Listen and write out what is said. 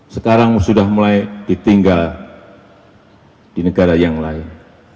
sekarang sudah mulai ditinggal di negara yang lain